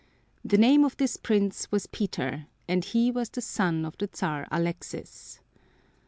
The name of this prince was Peter and he was the son of the Czar Alexis.